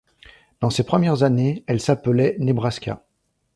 Dans ses premières années, elle s'appelait Nebraska.